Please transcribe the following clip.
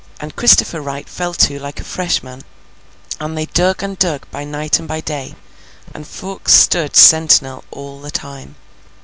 And Christopher Wright fell to like a fresh man, and they dug and dug by night and by day, and Fawkes stood sentinel all the time.